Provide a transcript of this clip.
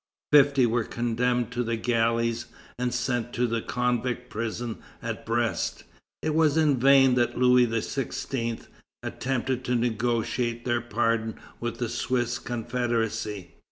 Fifty were condemned to the galleys and sent to the convict prison at Brest. It was in vain that Louis XVI. attempted to negotiate their pardon with the Swiss Confederacy.